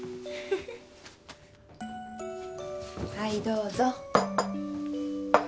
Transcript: はいどうぞ。